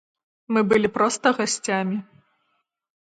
Мы былі проста гасцямі.